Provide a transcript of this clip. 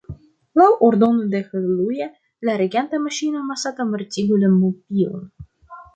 Laŭ ordono de Haleluja, la reganta maŝino, Masato mortigu la mupion.